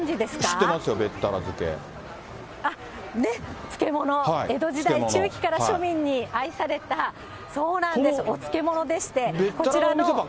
知ってますよ、漬物、江戸時代中期から庶民に愛された、そうなんです、お漬物でして、こちらの露店が。